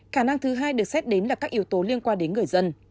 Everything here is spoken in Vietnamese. khả năng thứ hai được xét đến là các yếu tố liên quan đến người dân